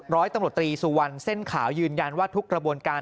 ร้อยตำรวจตรีสุวรรณเส้นขาวยืนยันว่าทุกกระบวนการ